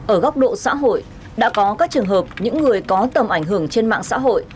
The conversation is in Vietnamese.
ở góc độ xã hội đã có các trường hợp những người có tầm ảnh hưởng trên mạng xã hội